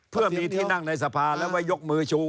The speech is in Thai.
เพื่อมีที่นั่งในสภาแล้วไว้ยกมือชู